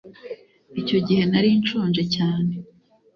Icyo gihe nari nshonje cyane